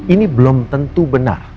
ini belum tentu benar